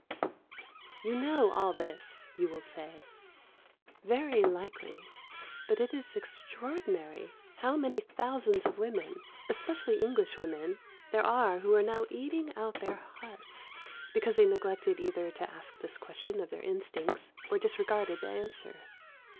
You know all this, you will say; very likely, but it is extraordinary how many thousands of women, especially English women, there are who are now eating out their hearts, because they neglected either to ask this question of their instincts or disregarded the answer.